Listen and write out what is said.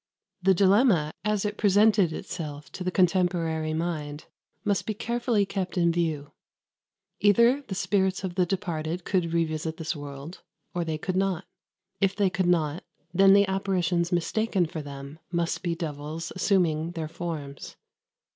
The dilemma, as it presented itself to the contemporary mind, must be carefully kept in view. Either the spirits of the departed could revisit this world, or they could not. If they could not, then the apparitions mistaken for them must be devils assuming their forms.